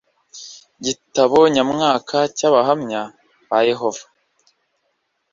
Igitabo nyamwaka cy'Abahamya ba Yehova